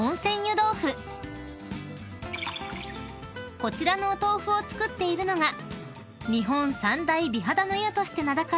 ［こちらのお豆腐を作っているのが日本三大美肌の湯として名高い